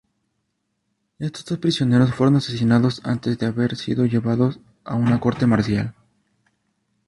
Estos dos prisioneros fueron asesinados antes de haber sido llevados a una corte marcial.